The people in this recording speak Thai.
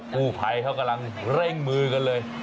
ผู้ภัยเขากำลังเร่งมือกันเลย